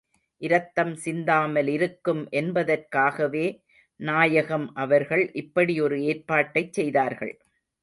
இரத்தம் சிந்தாமலிருக்கும் என்பதற்காகவே நாயகம் அவர்கள் இப்படி ஒரு ஏற்பாட்டைச் செய்தார்கள்.